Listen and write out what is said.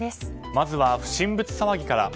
まずは不審物騒ぎから。